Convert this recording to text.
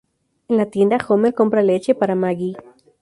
En la tienda Homer compra leche, para Maggie.